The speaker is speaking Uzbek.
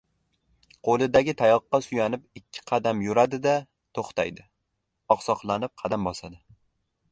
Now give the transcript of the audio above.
Qo‘lidagi tayoqqa suyanib ikki qadam yuradi-da, to‘xtaydi. Oqsoqlanib qadam bosadi.